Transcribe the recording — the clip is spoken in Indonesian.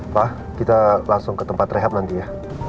pak kita langsung ke tempat rehab nanti ya